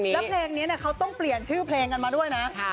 แล้วเพลงนี้เขาต้องเปลี่ยนชื่อเพลงกันมาด้วยนะ